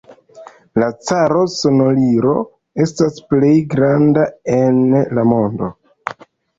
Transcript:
La Caro-Sonorilo estas plej granda en la mondo.